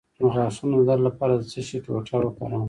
د غاښونو د درد لپاره د څه شي ټوټه وکاروم؟